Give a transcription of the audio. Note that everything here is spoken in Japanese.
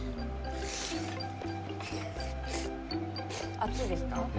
熱いですか？